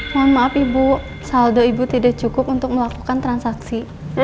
mohon maaf ibu saldo ibu tidak cukup untuk melakukan transaksi